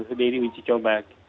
jadi itu sangat penting